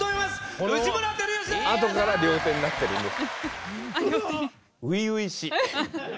このあとから両手になってるんです。